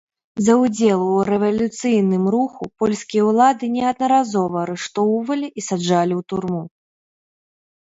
За ўдзел у рэвалюцыйным руху польскія ўлады неаднаразова арыштоўвалі і саджалі ў турму.